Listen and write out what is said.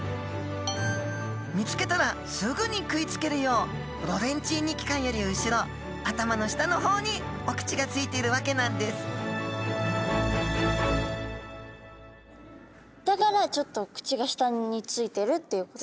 見つけたらすぐに食いつけるようロレンチーニ器官より後ろ頭の下の方にお口がついてるわけなんですだからちょっと口が下についてるっていうことですか。